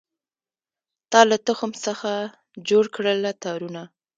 تا له تخم څخه جوړکړله تارونه